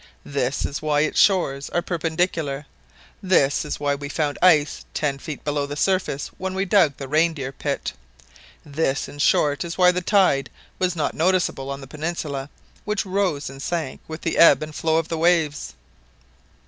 This is why its shores are perpendicular, this is why we found ice ten feet below the surface when we dug the reindeer pit—this, in short, is why the tide was not noticeable on the peninsula, which rose and sank with the ebb and flow of the waves!"